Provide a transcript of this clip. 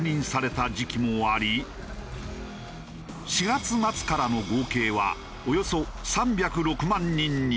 ４月末からの合計はおよそ３０６万人に。